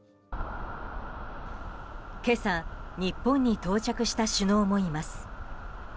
今朝、日本に到着した首脳もいます。